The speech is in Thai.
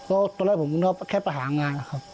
ตอนแรกผมแค่ไปหางานครับ